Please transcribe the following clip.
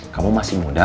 kamu masih muda